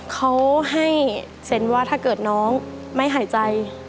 เขาให้เซ็นว่าถ้าเกิดน้องไม่หายใจ